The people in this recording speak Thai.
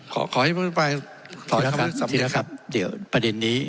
ขอขอให้มันไปขอให้คำเรื่องสำเหนียกครับเดี๋ยวประเด็นนี้